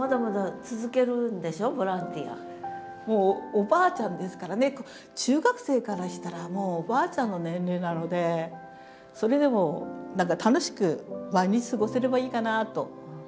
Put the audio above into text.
もうおばあちゃんですからね中学生からしたらもうおばあちゃんの年齢なのでそれでも何か楽しく毎日過ごせればいいかなと思ってます。